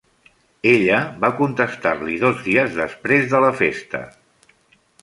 Ella va contestar-li dos dies després de la festa.